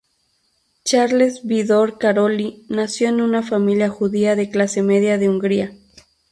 Charles Vidor Károly nació en una familia judía de clase media de Hungría.